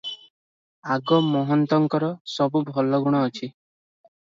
ଆଗ ମହନ୍ତଙ୍କର ସବୁ ଭଲ ଗୁଣ ଅଛି ।